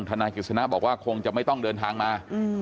นายกฤษณะบอกว่าคงจะไม่ต้องเดินทางมา